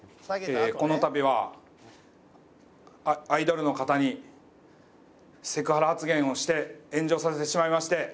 このたびはアイドルの方にセクハラ発言をして炎上させてしまいまして誠に申し訳ございませんでした。